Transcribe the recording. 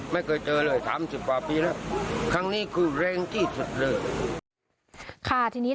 ไม่เคยเจอเลย๓๐กว่าปีแล้วครั้งนี้คือแรงที่สุดเลย